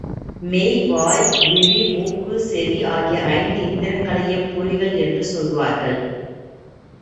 மெய், வாய், விழி, மூக்கு, செவி ஆகிய ஐந்து இந்திரியங்களையும் பொறிகள் என்று சொல்வார்கள்.